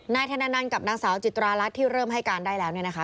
นายธนันกับนางสาวจิตรารัฐที่เริ่มให้การได้แล้วเนี่ยนะคะ